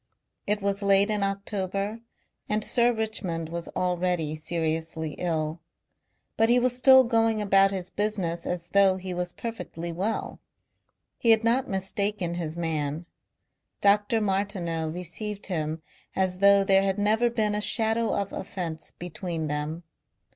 It was late in October and Sir Richmond was already seriously ill. But he was still going about his business as though he was perfectly well. He had not mistaken his man. Dr. Martineau received him as though there had never been a shadow of offence between them.